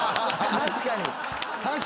確かに。